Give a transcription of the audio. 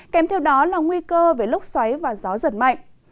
kèm theo đó là nguy cơ về lốc xoáy và gió giật mạnh